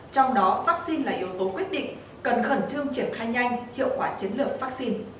trong đó vaccine là yếu tố quyết định cần khẩn trương triển khai nhanh hiệu quả chiến lược vaccine